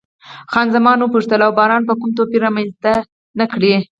خان زمان وپوښتل، او باران به کوم توپیر رامنځته نه کړي؟